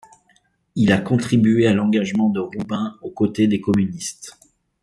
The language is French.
Il a contribué à l'engagement de Rouben aux côtés des communistes.